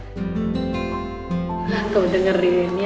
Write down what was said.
aku udah ngerin ya